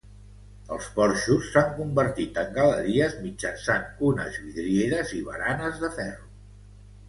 Els porxos s'han convertit en galeries mitjançant unes vidrieres i baranes de ferro.